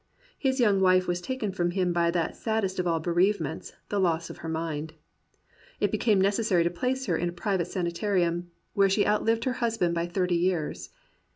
His young wife was taken from him by that sad 108 THACKERAY AND REAL MEN dest of all bereavements — the loss of her mind. It became necessary to place her in a private sani tarium, where she outlived her husband by thirty years.